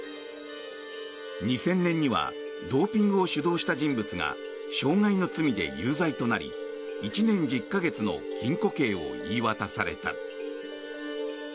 ２０００年にはドーピングを主導した人物が傷害の罪で有罪となり１年１０か月の禁錮刑を言い渡された。